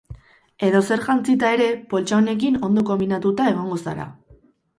Edozer jantzita ere, poltsa honekin ondo konbinatuta egongo zara.